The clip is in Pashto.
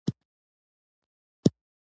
وان هینټیګ له یو ډاکټر سره جرمني ته تللي دي.